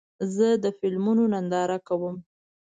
زه د فلمونو ننداره کوم.